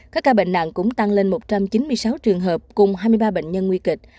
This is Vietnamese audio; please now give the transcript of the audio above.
các ca bệnh nặng cũng tăng lên một trăm chín mươi sáu trường hợp cùng hai mươi ba bệnh nhân nguy kịch